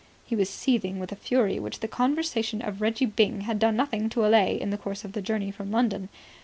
He was seething with a fury which the conversation of Reggie Byng had done nothing to allay in the course of the journey from London.